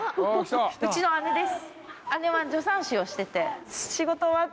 うちの姉です。